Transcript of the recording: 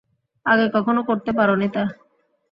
আগে কখনো করতে পারোনি তা।